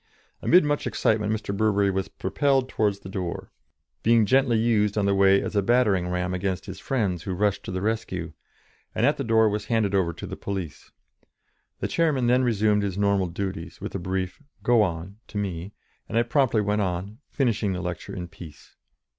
Amid much excitement Mr. Burbery was propelled towards the door, being gently used on the way as a battering ram against his friends who rushed to the rescue, and at the door was handed over to the police. The chairman then resumed his normal duties, with a brief "Go on" to me, and I promptly went on, finishing the lecture in peace.